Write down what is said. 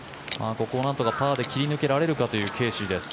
ここをなんとかパーで切り抜けられるかというケーシーです。